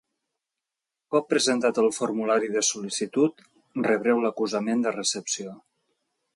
Un cop presentat el formulari de sol·licitud, rebreu l'acusament de recepció.